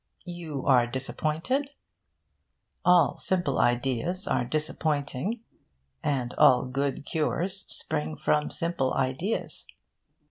You are disappointed? All simple ideas are disappointing. And all good cures spring from simple ideas.